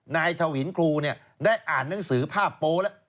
นายทวินครูเนี่ยได้อ่านหนังสือภาพโปรแล้ว